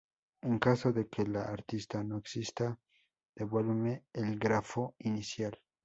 En caso de que la arista no exista devuelve el grafo inicial.